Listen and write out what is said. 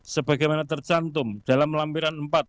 sebagaimana tercantum dalam lampiran empat